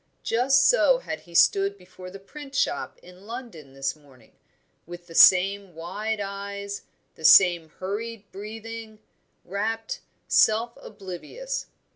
Just so had he stood before the print shop in London this morning, with the same wide eyes, the same hurried breathing; rapt, self oblivious.